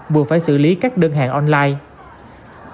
đã xử lý các đơn hàng online